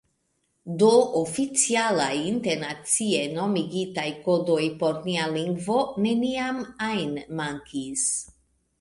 Do oficialaj internacie normigitaj kodoj por nia lingvo neniam ajn mankis.